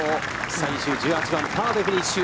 最終１８番、パーでフィニッシュ。